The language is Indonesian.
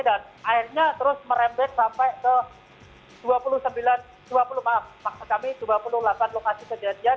dan akhirnya terus merembek sampai ke dua puluh delapan lokasi kejadian